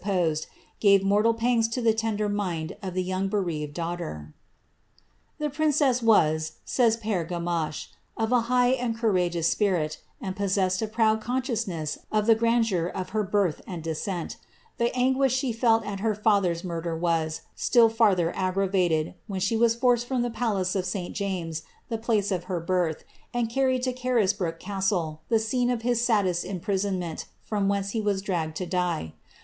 posed, gtve mortal pangi to the tender mind of the yonng bei daughter. ^ The DriQcen waa,^ says Pere Gamache, ^ of a high and coon spirit, and poaaessed a proud contciousnesa of the gruideiir of bei and descent The anguish she felt at her Other's murder was ati ther aggravated, when ahe was forced from the palace of St JaoM place df her birth, and carried to Carisbrooke castle, the scene > saddest imprisonment, from whence he was dragged to die.